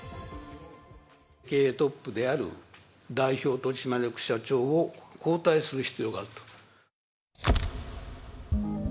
経営トップである代表取締役社長を交代する必要があると。